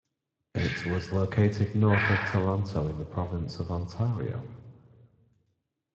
It was located north of Toronto in the province of Ontario.